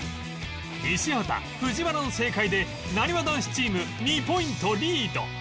西畑藤原の正解でなにわ男子チーム２ポイントリード